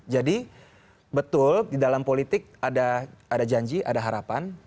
jadi betul di dalam politik ada janji ada harapan